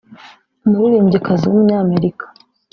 umuririmbyikazi w’umunyamerika